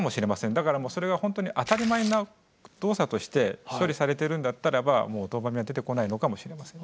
だからもうそれが本当に当たり前な動作として処理されてるんだったらばもうドーパミンが出てこないのかもしれません。